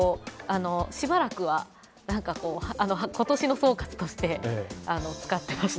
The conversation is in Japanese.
しばらくは、今年の総括として使ってました。